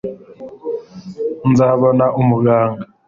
nzabona umuganga